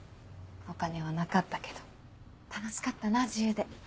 お金はなかったけど楽しかったな自由で。